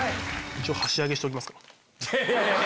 一応箸上げしておきますか。